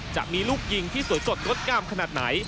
จะมีลูกยิงที่สวยสดงดงามขนาดไหน